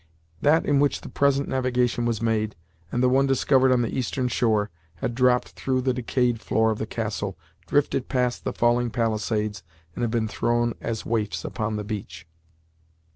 That in which the present navigation was made, and the one discovered on the eastern shore, had dropped through the decayed floor of the castle, drifted past the falling palisades, and had been thrown as waifs upon the beach.